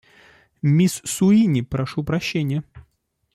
Мисс Суини, прошу прощения.